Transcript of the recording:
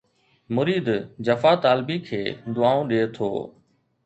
مريد جفا طالبي کي دعائون ڏئي ٿو